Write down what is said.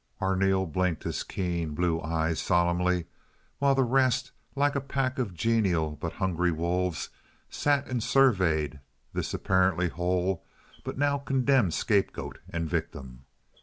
Arneel blinked his keen, blue eyes solemnly, while the rest, like a pack of genial but hungry wolves, sat and surveyed this apparently whole but now condemned scapegoat and victim.